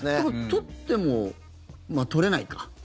取っても取れないか。